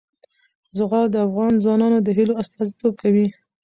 زغال د افغان ځوانانو د هیلو استازیتوب کوي.